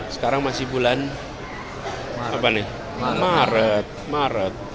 sekarang masih bulan maret maret